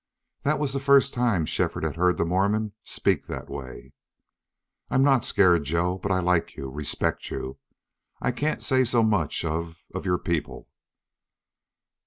That was the first time Shefford had heard the Mormon speak that way. "I'm not scared, Joe. But I like you respect you. I can't say so much of of your people."